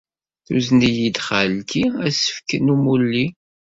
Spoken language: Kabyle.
Tuzen-iyi-d xalti asefk n umulli.